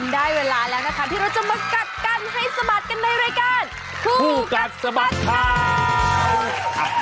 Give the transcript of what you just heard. ได้เวลาแล้วนะคะที่เราจะมากัดกันให้สะบัดกันในรายการคู่กัดสะบัดข่าว